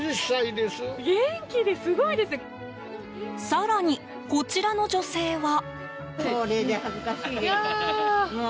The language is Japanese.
更に、こちらの女性は。